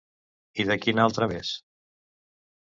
I de quina altra més?